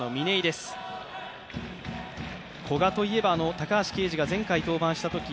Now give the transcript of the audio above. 古賀といえば高橋奎二が前回登板したとき、